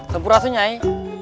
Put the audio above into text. sempur asuh nyai